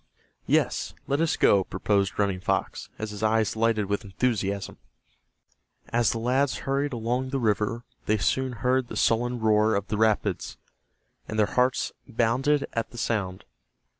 "Yes, let us go," proposed Running Fox, as his eyes lighted with enthusiasm. As the lads hurried along the river they soon heard the sullen roar of the rapids, and their hearts bounded at the sound.